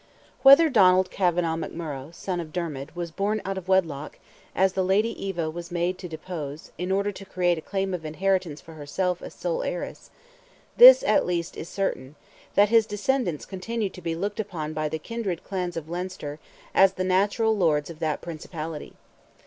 Whether Donald Kavanagh McMurrogh, son of Dermid, was born out of wedlock, as the Lady Eva was made to depose, in order to create a claim of inheritance for herself as sole heiress, this, at least, is certain, that his descendants continued to be looked upon by the kindred clans of Leinster as the natural lords of that principality.